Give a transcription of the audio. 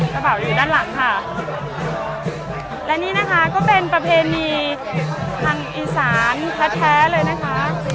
จ๋าบ่าวอยู่ด้านหลังค่ะและนี่นะคะก็เป็นประเพณีฮั่งอิสานคแท้เลยนะคะ